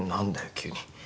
急に。